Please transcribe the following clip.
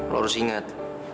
lo harus ingat